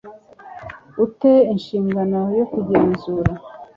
u te inshingano yo kugenzura